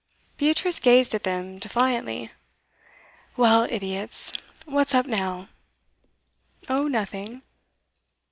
Beatrice gazed at them defiantly. 'Well, idiots! What's up now?' 'Oh, nothing.